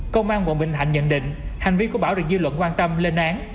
công an quận bình thạnh nhận định hành vi của bảo được dư luận quan tâm lên án